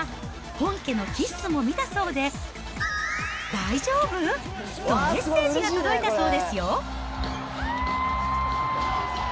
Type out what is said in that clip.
ちなみにこの動画は、本家のＫＩＳＳも見たそうで、大丈夫？とメッセージが届いたそうですよ。